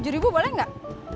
rp tujuh boleh gak